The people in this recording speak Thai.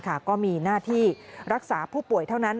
ก็มีหน้าที่รักษาผู้ป่วยเท่านั้น